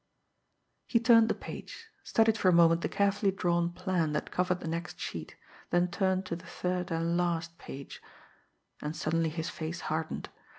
He turned the page, studied for a moment the carefully drawn plan that covered the next sheet, then turned to the third and last page and suddenly his face hardened.